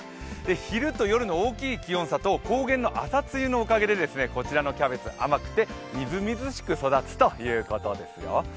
昼と夜の大きい気温差と高原の朝露のおかげで、こちらのキャベツ、甘くてみずみずしく育つということですよ。